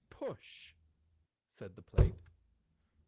"Push!" said the plate.